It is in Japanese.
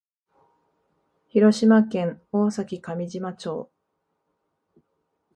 広島県大崎上島町